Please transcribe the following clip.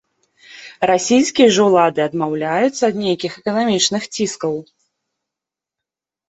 Расійскія ж улады адмаўляюцца ад нейкіх эканамічных ціскаў.